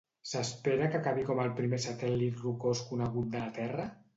S'espera que acabi com el primer satèl·lit rocós conegut de la Terra?